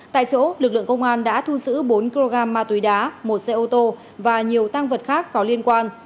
tại chỗ lực lượng công an đã thu giữ bốn kg ma túy đá một xe ô tô và nhiều tăng vật khác có liên quan